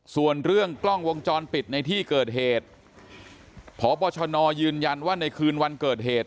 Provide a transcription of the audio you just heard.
ส่วนเรื่องกล้องวงจรปิดในที่เกิดเหตุพบชนยืนยันว่าในคืนวันเกิดเหตุ